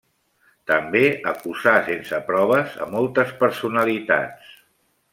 També acusà sense proves a moltes personalitats.